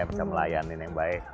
bisa melayani yang baik